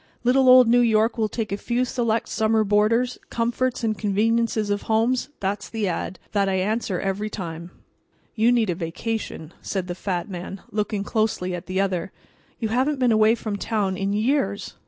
Little old New York will take a few select summer boarders; comforts and conveniences of homes—that's the ad. that I answer every time." "You need a vacation," said the fat man, looking closely at the other. "You haven't been away from town in years.